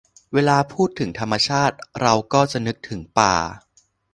เวลาพูดถึงธรรมชาติเราก็จะนึกถึงป่า